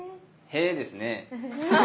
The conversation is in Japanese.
へえですね。